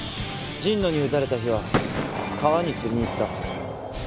神野に撃たれた日は川に釣りに行った。